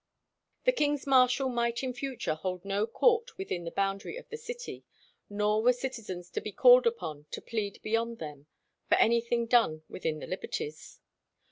The king's marshal might in future hold no court within the boundary of the city, nor were citizens to be called upon to plead, beyond them, for anything done within the liberties.